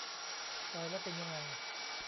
ตายแล้วเป็นยังไง ?